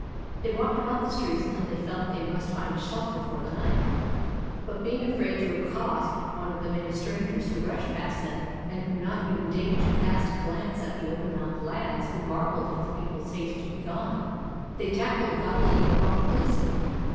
They walked about the streets until they felt that they must find a shelter for the night, but being afraid to accost one of the many strangers who rushed past them and who not even deigned to cast a glance at the open mouthed lads who marvelled at the people's haste to be gone, they tackled a gaudily uniformed policeman.